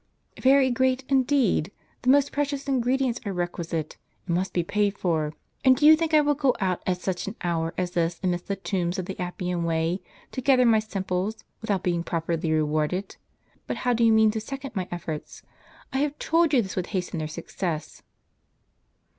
"Yery great indeed. The most precious ingredients are requisite, and must be paid for. And do you think I will go The Appiau Way, as it was. out at such an hour as this amidst the tombs of the Appian way, to gather my simples, without being properly rewarded ? But how do you mean to second my efforts ? I have told you this would hasten their success."